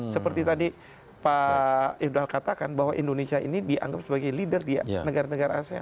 seperti tadi pak ifdal katakan bahwa indonesia ini dianggap sebagai leader di negara negara asean